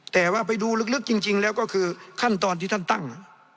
แต่ว่าไปดูลึกจริงแล้วก็คือขั้นตอนที่ท่านตั้ง